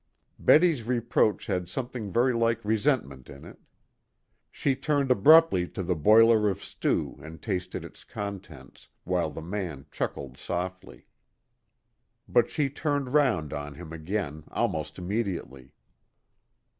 Betty's reproach had something very like resentment in it. She turned abruptly to the boiler of stew and tasted its contents, while the man chuckled softly. But she turned round on him again almost immediately.